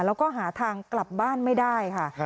แล้วก็หาทางกลับบ้านไม่ได้ค่ะ